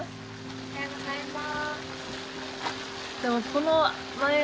おはようございます。